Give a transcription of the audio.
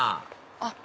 あっ